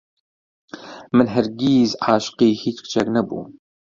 من هەرگیز عاشقی هیچ کچێک نەبووم.